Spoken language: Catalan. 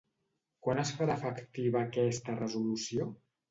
Quan es farà efectiva aquesta resolució?